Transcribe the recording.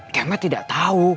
kama tidak tau